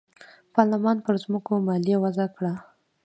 پارلمان پر ځمکو مالیه وضعه کړه.